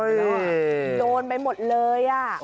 โดนไปหมดเลย